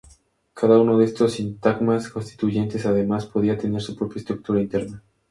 Cada uno de estos sintagmas constituyentes además podía tener su propia estructura interna.